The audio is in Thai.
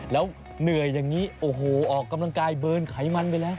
แล้วเหนื่อยอย่างนี้โอ้โหออกกำลังกายเบิร์นไขมันไปแล้ว